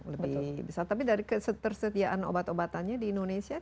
lebih besar tapi dari ketersediaan obat obatannya di indonesia